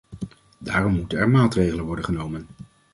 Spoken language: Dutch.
Daarom moeten er maatregelen worden genomen.